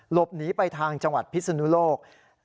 หลบหนีไปทางจังหวัดพิศนุโลก